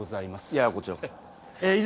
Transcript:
いやこちらこそ。